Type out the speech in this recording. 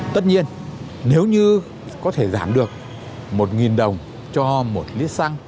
tất nhiên nếu như có thể giảm được một đồng cho một lít xăng